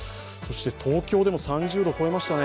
東京でも３０度超えましたね。